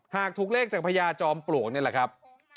หากถูกเลขจากพญาจอมปลวกนี่แหละครับ